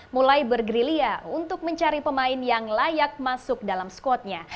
mulai bergerilya untuk mencari pemain yang layak masuk dalam squadnya